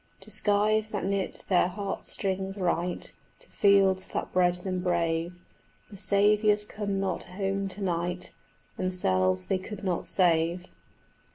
To skies that knit their heartstrings right, To fields that bred them brave, The saviours come not home to night: Themselves they could not save.